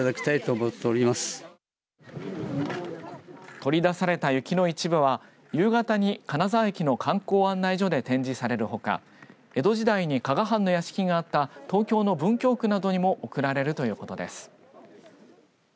取り出された雪の一部は夕方に金沢駅の観光案内所で展示されるほか江戸時代に加賀藩の屋敷があった東京の文京区などにも送られるということです。